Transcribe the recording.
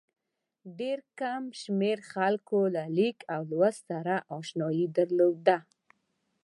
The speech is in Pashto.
ډېر کم شمېر خلکو له لیک لوست سره اشنايي درلوده.